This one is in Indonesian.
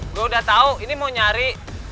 gue udah tau ini mau nyari